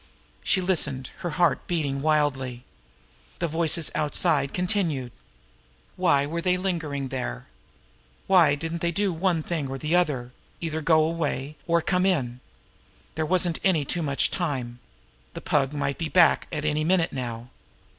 She listened, her heart beating wildly. The voices outside continued. Why were they lingering there? Why didn't they do one thing or the other either go away, or come in? There wasn't any too much time! The Pug might be back at any minute now.